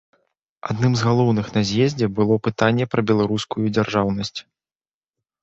Адным з галоўных на з'ездзе было пытанне пра беларускую дзяржаўнасць.